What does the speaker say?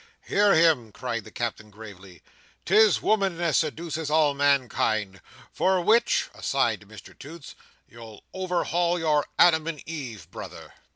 "Hear him!" cried the Captain gravely. "'Tis woman as seduces all mankind. For which," aside to Mr Toots, "you'll overhaul your Adam and Eve, brother."